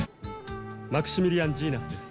マクシミリアン・ジーナスです。